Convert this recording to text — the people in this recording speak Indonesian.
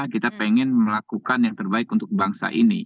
kita ingin melakukan yang terbaik untuk bangsa ini